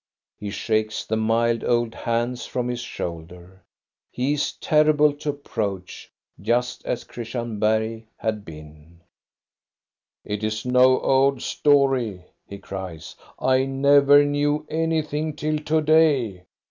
He shakes the mild old hands from his shoul der. He is terrible to approach, just as Christian Bergh had been. " It is no old story, " he cries. " I never knew anything till to day.